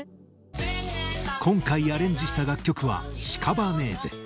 今回アレンジした楽曲は「シカバネーゼ」。